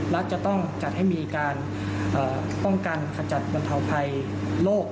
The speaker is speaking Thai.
รัฐจะต้องจัดให้มีการป้องกันขจัดบรรเทาภัยโลก